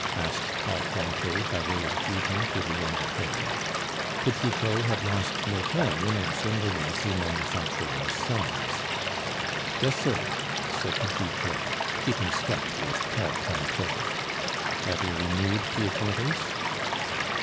asked tall Cointet by way of greeting to the young attorney. Petit Claud had lost no time in answering the wealthy manufacturer's summons. "Yes, sir," said Petit Claud, keeping step with tall Cointet. "Have you renewed the acquaintance?"